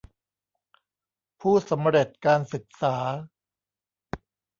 ผู้สำเร็จการศึกษา